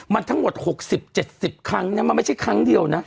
มันทั้งหมด๖๐๗๐ครั้งมันไม่ใช่ครั้งเดียวนะ